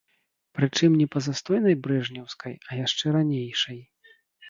Прычым, не па застойнай брэжнеўскай, а яшчэ ранейшай.